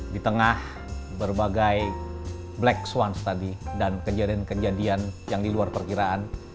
di tengah berbagai black sounce tadi dan kejadian kejadian yang di luar perkiraan